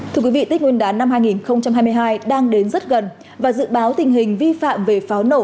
thưa quý vị tết nguyên đán năm hai nghìn hai mươi hai đang đến rất gần và dự báo tình hình vi phạm về pháo nổ